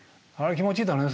気持ちいいだろうね